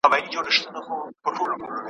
داسي آثار پرېښودل `